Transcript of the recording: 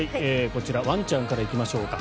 こちら、ワンちゃんから行きましょうか。